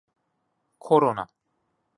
コロナ